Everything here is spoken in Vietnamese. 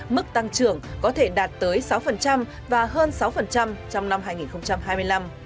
mức tăng trưởng có thể đạt tới sáu và hơn sáu trong năm hai nghìn hai mươi năm